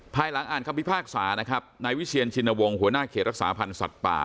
ภายหลังอ่านคำพิพากษานะครับนายวิเชียนชินวงศ์หัวหน้าเขตรักษาพันธ์สัตว์ป่า